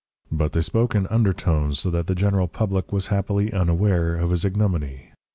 But they spoke in undertones so that the general public was happily unaware of his ignominy.